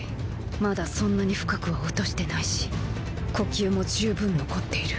まだそんなに深くは落としてないし呼吸も十分残っている。